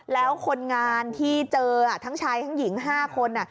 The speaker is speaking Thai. แล้วคนงานที่เจออ่ะทั้งชายทั้งหญิงห้าคนน่ะ